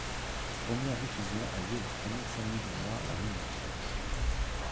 La première diffusion a lieu le premier samedi du mois, à minuit.